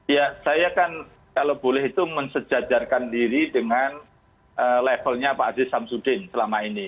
ya saya kan kalau boleh itu mensejajarkan diri dengan levelnya pak aziz samsudin selama ini